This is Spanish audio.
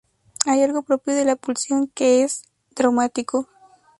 Hay algo propio de la pulsión que es traumático.